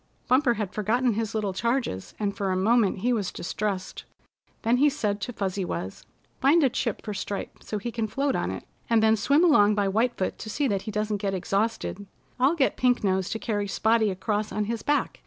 Bumper had forgotten his little charges, and for a moment he was distressed. Then he said to Fuzzy Wuzz: "Find a chip for Stripe so he can float on it, and then swim along by White Foot to see that he doesn't get exhausted. I'll get Pink Nose to carry Spotty across on his back.